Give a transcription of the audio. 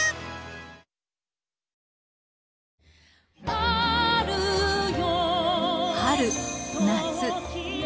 「春よ」